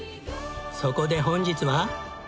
そこで本日は。